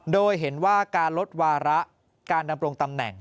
โดยเห็นว่าการลดวาระการดำรงตำแหน่ง